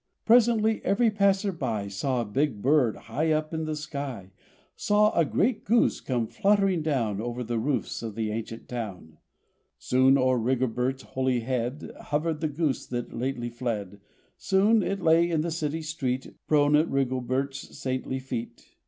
Presently every passer by Saw a big bird high up in the sky, Saw a great goose come fluttering down Over the roofs of the ancient town. Soon o'er Rigobert's holy head Hovered the goose that lately fled: Soon it lay in the city street Prone at Rigobert's saintly feet.